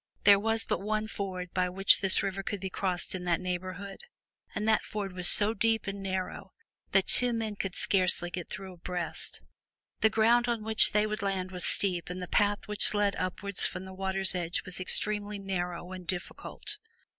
There was but one ford by which this river could be crossed in that neighborhood, and that ford was so deep and narrow that two men could scarcely get through abreast. The ground on which they would land was steep and the path which led upwards from the water's edge was extremely narrow and difficult.